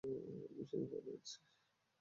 বিশুদ্ধ পানি আনছি।